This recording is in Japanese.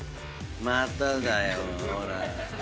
まただよほらっ。